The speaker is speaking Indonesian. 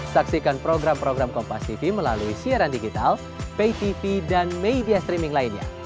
saksikan program program kompastv melalui siaran digital paytv dan media streaming lainnya